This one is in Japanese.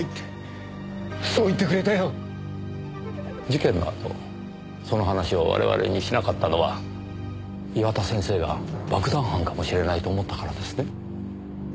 事件のあとその話を我々にしなかったのは岩田先生が爆弾犯かもしれないと思ったからですね？